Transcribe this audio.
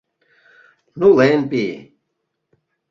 Нулен пий.